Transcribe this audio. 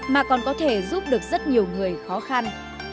mà còn có thể giúp được rất nhiều người khó khăn